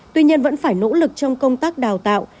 tuy nhiên vẫn phải nỗ lực trong công tác đào tạo